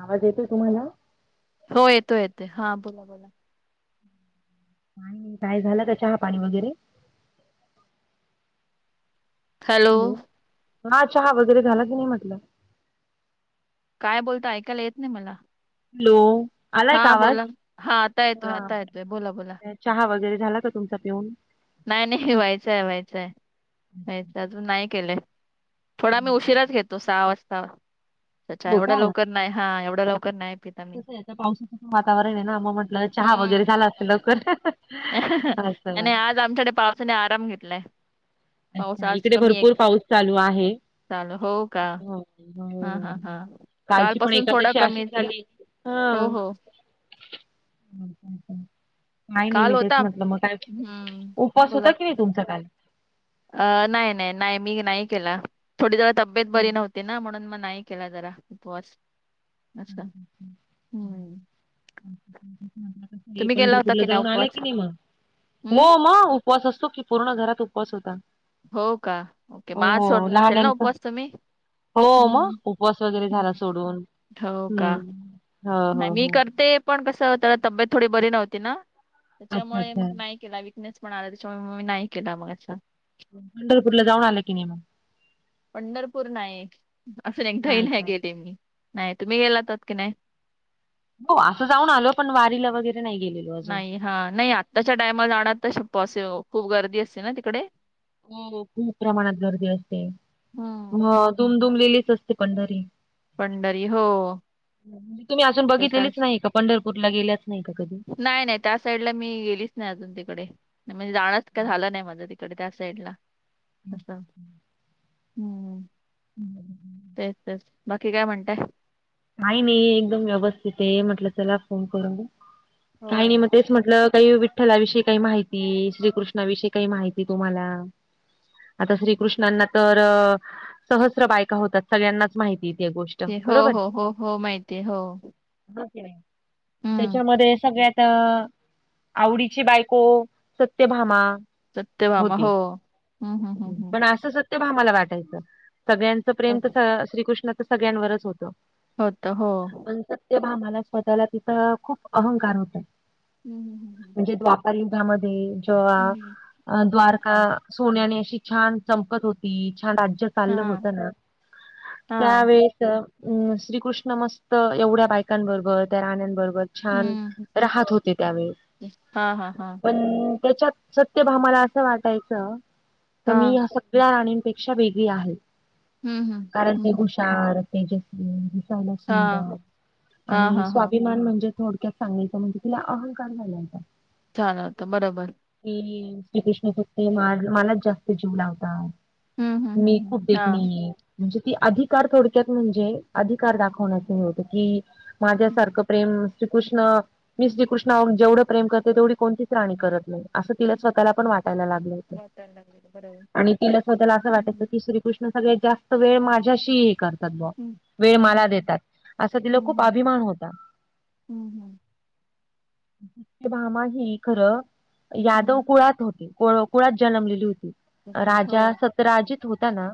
आवाज येतोय तुम्हाला? होय येतो येतोय, हा बोला-बोला. काय झालं का? चहा पाणी वगैरे. हॅलो. हा चहा वगैरे झाला की नई म्हटलं? काय बोलताय, ऐकायला येत नाही मला. हॅलो. आलाय का हा आवाज? बोला. हा आता येतोय, हा आता येतोय बोला- बोला. चहा वगैरे झाला का तुमचा पिऊन? नाही- नाही व्हायचाय-व्हायचाय, व्हायचय अजून नाही केले. थोडा आम्ही उशिराच घेतो, सहा वाजता त्याच्या हो एवढं का लवकर नाही, हा एवढं लवकर नाही पित. आम्ही कसं ते आता पावसाचं वातावरण हे ना, मग म्हंटलं चहा वगैरे झाला असेल लवकर. आणि असं. आज आमच्याकडे पावसाने आराम घेतलाय. पाऊस अच्छा. आज इकडे कमी आहे भरपूर पाऊस चालू आहे. चालू हो का हो, हा हा हो. हा कालची पण कालपासून थोडा एकादशी कमीच अशीच आहे झाली. हो हां. हो नाही मी- काल मी तेच होता म्हटलं मग काय, हम्म उपवास बोला होता की नाही तुमचा काल? अ नाही-नाही-नाही. मी नाही केला, थोडी जरा तब्येत हम्म. बरी नव्ह ती ना म्हणून म नाही केला जरा उपवास. असं. हम्म. [inaudible] ए तुम्ही केला होता पंढरपूरला की नाही जाऊन आले उपवास? की नाही मग? हम्म. मग- मग उपवास असतो की, पूर्ण घरात उपवास होता. होव का? ओके म आज हो सोडला असेल ना लहान्यांचा उपवास तुम्ही? हो मग, उपवास वगैरे झाला सोडून. थ का. हम्म हो नाही हो मी हो. करते पण कसं त्याय तबेत थोडी बरी नव्हती ना, अच्छा त्याच्यामुळे मग अच्छा. नाही केला विकनेस पणा आला, त्याच्यामुळ म मी नाही केला मग असं. पंढरपूर ला जाऊन आले, की नाही मग? पंढरपूर नाही. असून एकदाही नाही गेले मी, नाही. तुम्ही गेला होतात की नाही? हां, असं जाऊन आलो पण वारीला वगैरे नाही गेले. नाही हा, नाही आत्ताच्या टाईमाला आना तसे पॉसिओ, खूप गर्दी असते ना तिकडे. हो खूप प्रमाणात गर्दी असते, हम्म अ दुमधुमलेलीच असते पंढरी. पंढरी हो तुम्ही अजून तेच आहे. बघितलेलेच नाही का, पंढरपूरला गेल्याच नाही का कधी. नाही नाही त्या साईडला मी गेलीच नाही अजून तिकडे. म्हणजे जानच काय झालं नाही तिकडे त्या साईडला असं. हम्म हम्म हम्म तेच तेच बाकी काय म्हणताय? काही नाही एकदम व्यवस्थित आहे. म्हटलं चला फोन करू काही नाही हो. म तेच म्हटलं काही विठ्ठला विषयी काही माहिती श्रीकृष्णा विषयी काही माहिती तुम्हाला? ह् [unintelligible] आता श्रीकृष्णांना तर सहस्र बायका होतात सगळ्यांनाच माहिती येत या गोष्टी. हो हो हो हो माहिती आहे हो. हम्म त्याच्यामध्ये सगळ्यांत आवडीची बायको सत्यभामा. सत्यभामा होती हो, हम्म हम्म हम्म हम्म पण असं सत्यभामाला वाटायचं सगळ्यांचं प्रेम तर श्रीकृष्ण तर सगळ्यांवरच होतं. होत हो हो पण सत्यभामाला स्वतःला तिचा खूप अहंकार होता. हम् हम म्हणजे द्वापारंयुगामध्ये हम्म. जेव्हा द्वारका हा सोन्याने अशी छान चमकत होती छान राज्या चाललं हा होत ना हा त्यावेेळेस श्रीकृष्ण मस्त एवढ्या बायकांबरोबर त्या राण्यांबरोबर, छान हम्म. राहत होते त्यावेळी, हा हा हा पण त्यांच्यात सत्यभामा ला असं वाटायचं की हा मी ह्या सगळ्या राणींपेक्षा वेगळी आहे. ह्म्म ह्म्म कारण ती हुशार तेजस्वी दिसायला, हा सुंदर हा आणि हा हा. स्वाभिमान म्हणजे, थोडक्यात सांगायचं म्हणजे तिला अहंकार झाला होता. झाला होता बरोबर. कि श्रीकृष्ण फक्त हम्म. मलाच जास्त जीव लावतात. हम्म हम्म हम्म मी हम्म खूप हा. देखनीये म्हणजे ती अधिकार थोडक्यात म्हणजे अध दाखवण्याचत की हम्म माझ्यासारखं प्रेम श्रीकृष्ण. मी कृष्णा जेवढं प्रेम करते तेवढी कोणतीच राणी करत नाही. असं तिला स्वतःला पण वाटायला लागलंय होत. वाचायला लागलेलं बरं आहे. आणि तिला स्वतःला असं हम्म वाटयच की श्री कृष्ण सगळ्यात जास्त वेळ माझ्याशी हे करतात ब हम्म वेळ मला हम्म देतात, असं तिला हम्म खूप हम्म अभिमान होता. हम्म हम्म सत्यभामा ही खरं यादव हम्म कुळात होती. कुळात जन्मलेली होती. ओके हो राजा सतराजीत होताना.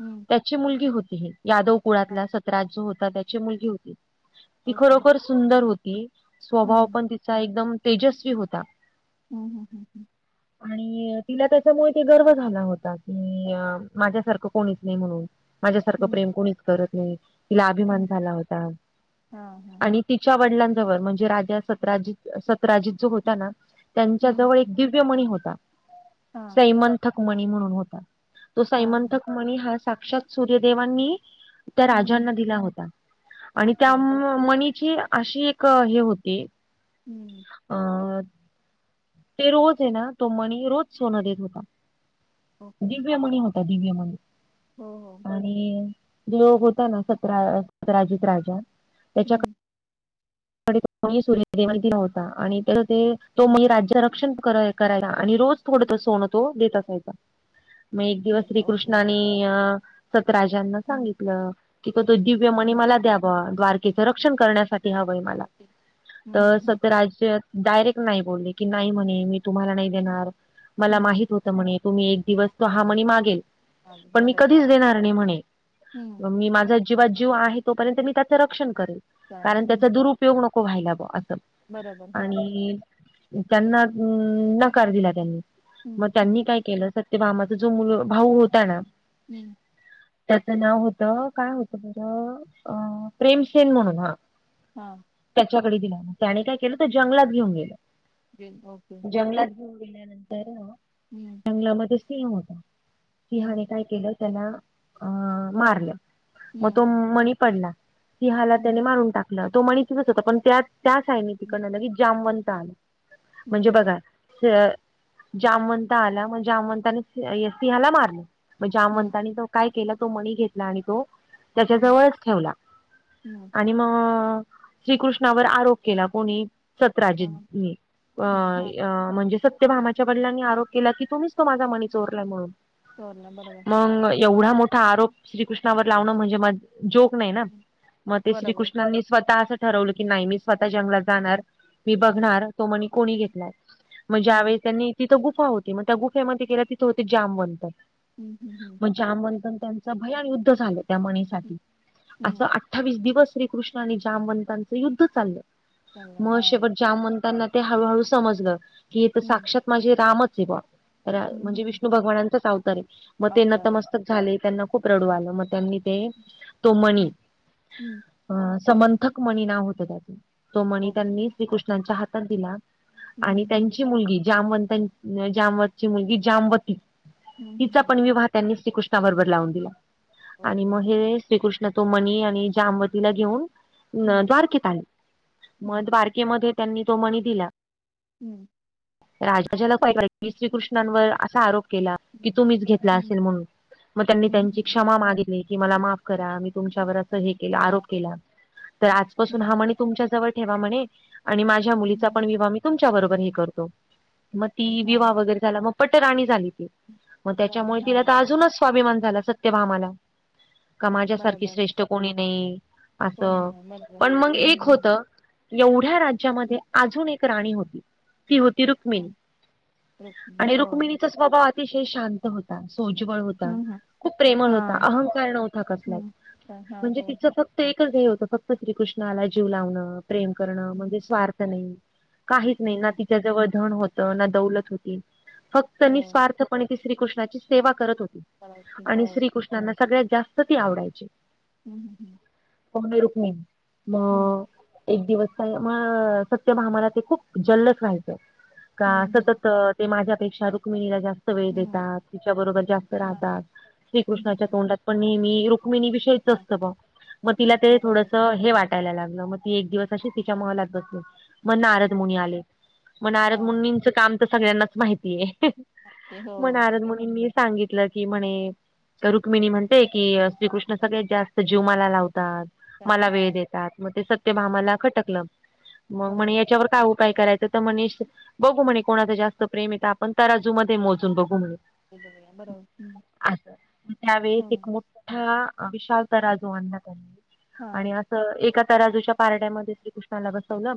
हम्म त्याची मुलगी होती. यादव हा कुळातला सतराज जो होता त्याची मुलगी होती ती ओके खरोखर सुंदर होती, स्वभाव हम्म पण तिचा एकदम तेजस्वी होता. हां हां हां हां अ [inaudible] आणि तिला त्याच्यामुळे ते गर्व झाला होता की माझ्यासारखं कोणीच नाही म्हणून माझ्यासारखं हम्म हम्म. प्रेम कोणीच करत नाही तिला अभिमान हम्म. झाला होता हा हा आणि तिच्या वडिलांजवळ म्हणजे राजा सतराजीत सत्राजित जो होता ना त्यांच्या हम्म. जवळ एक दिव्यमणी होता हा सैमंथक मणी म्हणून होता तो हा हा. सैमंथक मनी हा साक्षात सूर्यदेवांनी त्या हम्म राजांना दिला होता आणि ओके त्या मणीची अशी एक हे होती हू अ ते रोज हे ना तो मणी रोज सोनं देत होता ओके दिव्यमणी होता दिव्य मनी हो हो आणि जो होता ना सतरा सतराजीत राजा त्याच्या हम्म तो मणी सूर्यदेवानी दिला होता आणि त्याच ते तो हम्म मी राज्य रक्षण करायला आणि रोज थोड सोनं तो देत असायचा मग एक दिवस ह्याचं. ओके श्रीकृष्णानि अ सतराजांना हम्म सांगितलं की तो दिव्यमनी हम्म मला द्या बुवा द्वारकेच्या रक्षण करण्यासाठी हवंय मला हम्म तर हम्म सत्यराज्यत डायरेक्ट नाय बोलले की नाही म्हणे मी तुम्हाला नाही देणार मला हम्म. माहित होत म्हणे तुम्ही एक दिवस तो हा म्हणी मागेल आलं. पण मी बरोबर कधीच देणार नाही म्हणे हम्म मग मी माझा जीवात जीव आहे तोपर्यंत मी त्याचं रक्षण करेल चालेल कारण त्याचा हम्म. दूर उपयोग नको व्हायला बुवा असं बरोबर हा आणि त्यांना नकार दिला त्यांनी हम्म म हम्म त्यांनी काय केलं तर ते मामाचा जो मु भाऊ होता ना हू त्याच नाव होतं काय होतं बरं अ प्रेमशेन म्हणून हा हां त्याच्याकडे दिला ना त्याने काय केलं तर जंगलात घेऊन गेल बीन ओके जंगलात घेऊन गेल्यानंतरन हू जंगलामध्ये सिंह होता सिंहाने काय केलं त्याला अ मारलं मग तो हं, मणी पडला सिंहाला त्याने हं, मारून टाकलं तो मणी तिथच होता पण त्यात त्या साईडनी हं, तीकडनं लगे जामवंत आलं [unintelligible] म्हणजे हं, बघा जामवंत आला म्हणजे जामंताने सिंहाला मारलं म हं, जामंतानि तो काय केलं तो मनी घेतला आणि तो त्याच्या हं, जवळच ठेवला हं. आणि म श्रीकृष्णावर आरोप केला कोणी हां, सतराजीतनी हं, हां. अ म्हणजे सत्यभामाच्या वडिलांनी आरोप केला की तुम्हीच तो माझा मनी चोरलाय म्हणून सोडलं बरोबर. म हं, एवढा मोठा आरोप श्रीकृष्णावर लावणं म्हणजे म जोक नाही ना हं. म ते बरोबर. श्रीकृष्णांनी स्वतः अस ठरवलं की नाय मी स्वतः जंगलात जाणार मी हं, बघणार की कोणी घेतलाय म हं, ज्यावेळेस त्यांनी तिथं गुफा होती म त्या गुफेमध्ये गेला तिथं होते जामवंत हू हू हू जामंतन त्यांचं भयान युद्ध झालं त्या हं, म्हणीसाठी असं, हं. अठ्ठावीस दिवस श्रीकृष्ण आणि जामंतांच युद्ध चाललं चांगलं म हां. शेवट जामंतांना, ते हळूहळू समजलं की हे तर हं, साक्षात माझे रामच आहे बा, राम हं, हं, म्हणजे हं. विष्णूंचाच भगवानाचा अवतार हाय. मग ते अवतार. नतमस्तक झाले त्यांना खूप रडू हं, आलं म त्यांनी ते तो मणी, हम्म अ समंथक मणी नाव होतं त्याच तो मणी ओके. त्यांनी हां, हां. श्रीकृष्णांच्या हात हातात दिला हं, आणि हं, हं. त्यांची मुलगी जामवंताच जामवंताची मुलगी जामवती, हं, हं, तिचा हं. पण विवाह त्यांनी श्रीकृष्णाबरोबर लावून दिला आणि ओके. म हे, श्रीकृष्ण तो मनी आणि जामवतीला घेऊन हं, द्वारकेत आले म हं, द्वार के मध्ये त्यांनी तो मणी दिला. हम्म राजा [inaudible] श्रीकृष्णांवर असा आरोप केला. की तुम्हीच घेतला हं, असेल म्हणून मग त्यांनी हं, त्यांची हं. क्षमा मागितली की मला माफ करा मी तुमच्यावर अ असं हे केल आरोप हां. केला तर हं, आज पासून हा हं, मनी तुमच्या जवळ ठेवा म्हणे आणि मा झ्या हं, मुलीचा पण विवाह मी तुमच्या बरोबर हे करतो मग हं. ती हां, विवाह वगैरे झाला मग, पटराणी झाली ती मग झालं. त्याच्यामुळे तिला हां. तर अजूनच स्वाभिमान झाला सत्यभामाला, का माझ्यासारखी बरोबर. श्रेष्ठ कोणी नाही कोणी असं नाही. बरोबर. पण मग हं, एक होत. हं, एवढ्या राज्यामध्ये, हं. अजून एक राणी होती ती होती रुक्मिणी हं, हं. आणि हो. रुक्मिणीच, स्वभाव अतिशय शांत होता सोज्वळ होता. हं हं खूप प्रेमळ होता हां अहंकार नव्हता कसलाच हं हां म्हणजे हो तिचं फ ते एकच ध्येय होतं फक्त श्रीकृष्णाला जीव लावणं प्रेम करणं हं म्हणजे स्वार्थ नाही. काहीच नाही ना हं तिच्या जवळ धन होत ना दौलत होती फक्त हो निस्वार्थ-‍- पण ती श्रीकृष्णाची सेवा करत होती करायची आणि हो श्रीकृष्णांना सगळ्यात जास्त ती आवडायची. हम ह हं कोण आहं रुक्मिण म, हा एक दिवस का म ते सत्यभामाला ते खूप जल्लस व्हायचं. का हं हं सतत ते माझ्यापेक्षा रुक्मिणीला जास्त, जास्त वेळ हं देतात तीच्यारोबर जास्त हां राहतात हं श्रीकृष्णाच्या हं तोंडात पण नेहमी रुक्मिणी वि तेच हां असत बो मग तिला ते बरोबर थोडस हे वाटत टायला लागलं मग ती एक दिवस अशी तिच्या महलात बसली ‍. मग नारद मुनी आले मग नारद हां मुनींचं काम तर सगळ्यांनाच माहितीये. ते हो म नारद मुनीनी सांगितलं की म्हणे, रुक्मिणी म्हणते की श्रीकृष्ण सगळ्यात जास्त जीव मला लावतात. त्यात मला हां वेळ देतात मग ते हं सत्यभामाला खटकलं मग म्हणे बरोबर याच्यावर काय उपाय करायचं, तर म्हणे श्री बघू म्हणे कोणाच जास्त प्रेम आहं तर आपण तराजू मध्ये मोजून बघू म्हणे. ते बघूया बरोबर हं असं म त्यावेेळेस एक हो मोठ ठा विशाल तराजू आणला त्यांनी आणि हां आ एका तराजूच्या पारड्यामध्ये श्रीकृष्णाला बसवलं.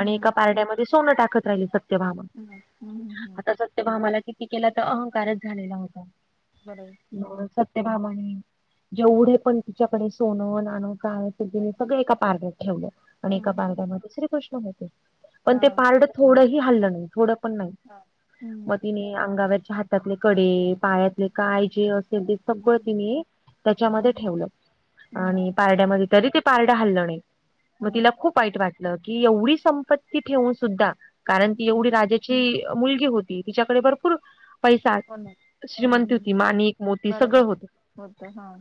आणि एका पारड्यामध्ये सोनं टाकत राहिली सत्यभामा हं हं हं हं आता सत्यभामाला कि किती केल तर अहंकारच झालेला होता बरोबर हं म सत्यभामाणे, जेवढे पण तिच्याकडे सोनं नाणं काय असेल तिने सगळं एका पारड्यात ठेवलं. आणि एका हं हं पारडामध्ये श्री कृष्ण होते पण ते हां पारड थोडंही हालंल नाही थोडं पण नाही हां हं मग तीने अंगावरचे हातातले कडे पाया. काय जे असेल ते सगळ हं तिनि सगळं हं त्याच्यामध्ये ठेवलं हं आणि पारड्यामध्ये तरी ते पारड हल्लं नाही मग तिला हं खूप वाईट वाटलं. मी की एवढी संपत्ती ठेवून सुद्धा कारण ती हं एवढी राजा. चि मुलगी होती तिच्याकडे भरपूर. पैसा हो ना हं श्रीमंती होती माणिक मोती सगळं बरोबर होत. होतं हां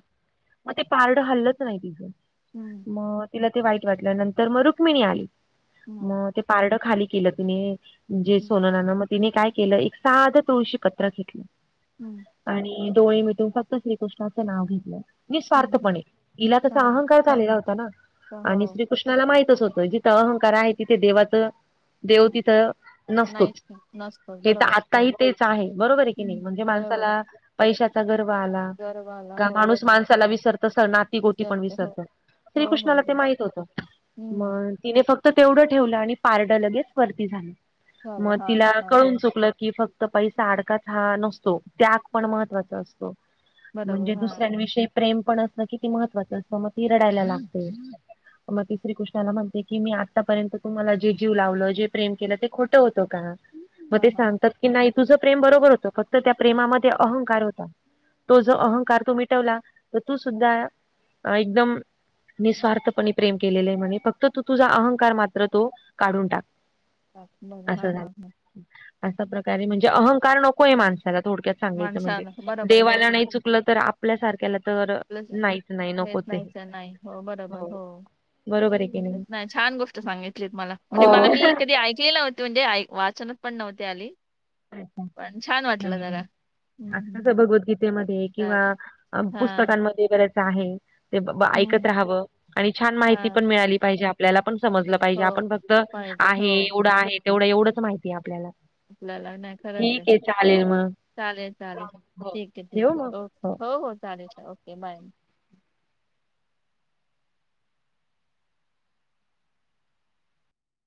मग ते पारड हल्लंच नाही तिचं. हम्म मग तिला ते वाईट वाटलं नंतर मग रुक्मिणी आली. हं मग ते पारड खाली केलं तिने जे हं सोननान म तिने काय केलं एक साधं तुळशी पत्र घेतलं. हं. आणि डोळे मिटून फक्त श्रीकृष्णाचं नाव घेतलं. हं निःस्वार्थपणे हिला कसा हा अहंकार झालेला होता ना तर हो आणि श्रीकृष्णाला माहितच होतं. तर अहंकार आहे तिथे देवाचं देव हम्म तिथं नाहीच नसतोच की नसतो हे तर बरोबर आहे. आताही तेच आहे बरोबर आहे. की नाही हम्म. म्हणजे बरोबर आहे माणसाला पैशाचा गर्व आला. गर्व आला का हो माणूस माणसाला विसरत तस नाती गोती पण विसरते हो विसरत. हो हो श्रीकृष्णाला ते हो माहित होत हम्म मग. तिने फक्त तेवढं ठेवलं आणि पारड लगेच वरती झालं. मग झालं हा तिला हा हा कळून चुकलं की फक्त. पैसा आडकाच हा नसतो त्याग पण महत्त्वाचा असतो. बरोबर म्हणजे हा दुसऱ्यांविषयी प्रेम पण असणं किती महत्वाचं असं म ती रडायला लागते मग ति श्री कृष्णाला म्हणते. की मी आतापर्यंत तुम्हाला जे जीव लावलं जे प्रेम केलं ते खोटं होतं का मग हा ते हा सांगतात. की नाही तुझं प्रेम बरोबर होतं फक्त त्या प्रेमामध्ये अहंकार होता. तो जो बरोबर अहंकार तो मिटवला तर तू सुद्धा एकदम निस्वार्थपणे. प्रेम केलेलं आहे म्हणे फक्त तू तुझा मात्र तो काढून टाक. टाक मग हा हा हा. असा प्रकारे म्हणजे अहंकार नकोय हम्म. माणसाला थोडक्यात सांगायचं म्हणजे माणसाला बरोबर आहे हो देवाला हो नाही चु चूकलं तर आपल्या सारख्याला तर प्लस नाहीच नाही हेच नकोच हे. नाहीच नाही हो बरोबर हो बरोबर आहे की नाही छान गोष्ट सांगितलीत मला म्हणजे हो. मला मी कधी ऐकली नव्हते. म्हणजे आई वाचनात पण नव्हती आली. अच्छ पण छान वाटलं नाही नाही जरा असंच हम्म भगवद्गीतेमध्ये एक चालेल किंवा हा पुस्तकांमध्ये बरच आहे ते ऐकत हम्म. राहावं. आणि छान हा माहिती पण मिळाली पाहिजे आपल्याला पण समजलं आपल्याला पाहिजे हो आपण फक्त पाहिजे हो आहे एवढं आहे. तेवढं एवढंच माहिती आहे आपल्याला आपल्याला नाही खरंच आहे ठीक चालेल मग. चालेल चालेल हो, ठीक आहे ठेवू मग? ठीक ओके. हो हो चालेल ओके बाय.